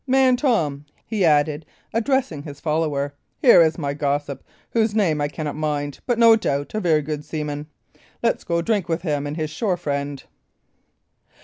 Man Tom," he added, addressing his follower, "here is my gossip, whose name I cannot mind, but no doubt a very good seaman. Let's go drink with him and his shore friend."